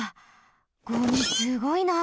ゴミすごいな。